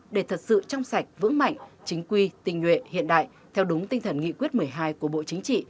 để thật sự trong sạch vững mạnh chính quy tình nguyện hiện đại theo đúng tinh thần nghị quyết một mươi hai của bộ chính trị